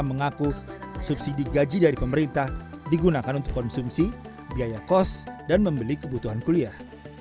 mengaku subsidi gaji dari pemerintah digunakan untuk konsumsi biaya kos dan membeli kebutuhan kuliah